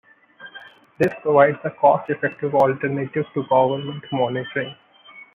This provides a cost-effective alternative to government monitoring.